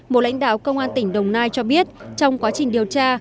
một lãnh đạo công an tỉnh đồng nai cho biết trong quá trình điều tra